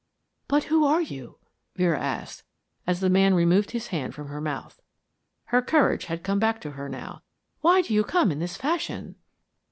"But who are you?" Vera asked, as the man removed his hand from her mouth. Her courage had come back to her now. "Why do you come in this fashion?"